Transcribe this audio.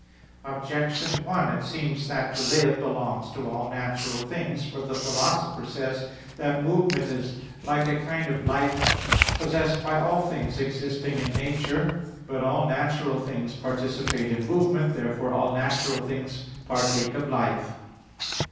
Objection 1: It seems that to live belongs to all natural things. For the Philosopher says (Phys. viii, 1) that "Movement is like a kind of life possessed by all things existing in nature." But all natural things participate in movement. Therefore all natural things partake of life.